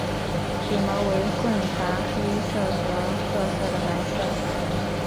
体毛为混杂黑色和褐色的白色。